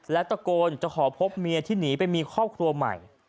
และตะโกนจะขอพบเมียที่หนีไปมีครอบครัวใหม่